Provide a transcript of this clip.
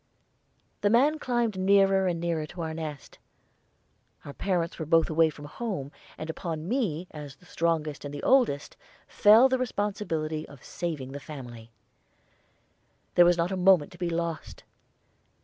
The man climbed nearer and nearer to our nest. Our parents were both away from home, and upon me, as the strongest and oldest, fell the responsibility of saving the family. There was not a moment to be lost.